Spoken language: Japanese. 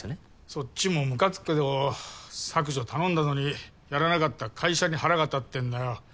そっちもムカつくけど削除頼んだのにやらなかった会社に腹が立ってんだよ